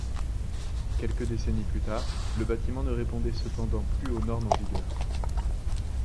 Quelques décennies plus tard, le bâtiment ne répondait cependant plus aux normes en vigueur.